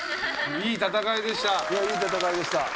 いい戦いでした。